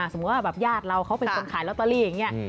สมมุติว่าแบบญาติเราเขาเป็นคนขายลอตเตอรี่อย่างนี้